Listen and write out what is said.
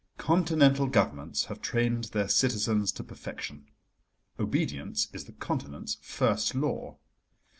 Continental Governments have trained their citizens to perfection. Obedience is the Continent's first law.